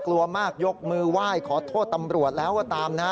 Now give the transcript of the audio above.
กลัวมากยกมือไหว้ขอโทษตำรวจแล้วก็ตามนะฮะ